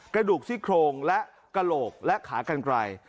กระดูกซี่โครงและกระโหลกและขากันไกล